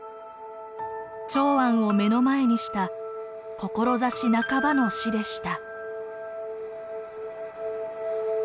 長安を目の前にした志半ばの死でした。